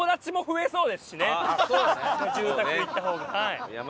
住宅行った方が。